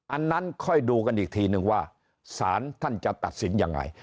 อันนั้นค่อยดูกันอีกทีนึงว่าสารท่านจะตัดสินยังไง